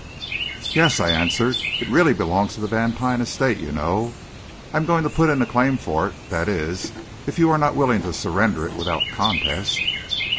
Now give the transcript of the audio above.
"Yes," I answered; "it really belongs to the Vantine estate, you know; I'm going to put in a claim for it that is, if you are not willing to surrender it without contest."